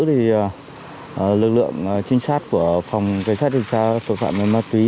thì lực lượng trinh sát của phòng cảnh sát điều tra tội phạm về ma túy